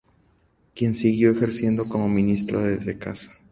Quien siguió ejerciendo como ministro desde casa.